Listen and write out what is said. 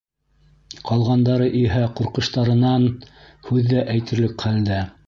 Ҡалғандары иһә ҡурҡыштарынан һүҙ ҙә әйтерлек хәлдә